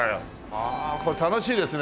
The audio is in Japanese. ああこれ楽しいですね